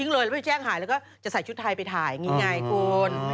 แล้วก็จะใส่ชุดทายไปถ่ายอย่างนี้ไงคุณ